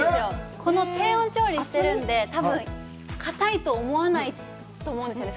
低温調理してるんで、多分かたいと思わないと思うんですよね。